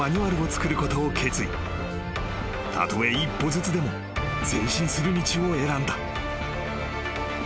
［たとえ一歩ずつでも前進する道を選んだ］